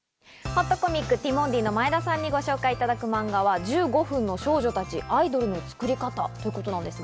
ほっとコミック、ティモンディ・前田さんにご紹介いただくマンガは『１５分の少女たち‐アイドルのつくりかた‐』ということです。